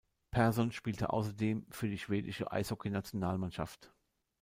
Persson spielte außerdem für die Schwedische Eishockeynationalmannschaft.